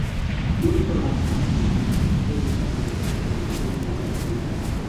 joto la kasi lina matokeo chanya kwenye uoto wa asili